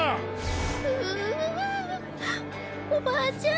ううおばあちゃん